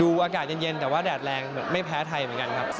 อากาศเย็นแต่ว่าแดดแรงไม่แพ้ไทยเหมือนกันครับ